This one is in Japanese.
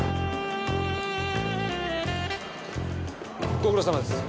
ご苦労さまです。